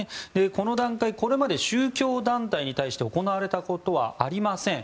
この段階はこれまで宗教団体に対して行われたことはありません。